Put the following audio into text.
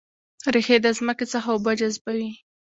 ریښې د ځمکې څخه اوبه جذبوي